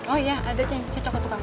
oh iya ada yang cocok untuk kamu